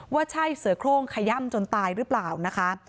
ว่าใช่เสือโครงขย่ำจนตายหรือเปล่านะคะ